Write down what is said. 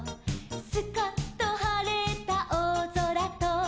「スカッとはれたおおぞらと」